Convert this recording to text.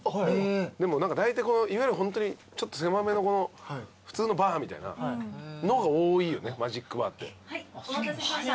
でもだいたいいわゆるホントにちょっと狭めの普通のバーみたいなのが多いよねマジックバーって。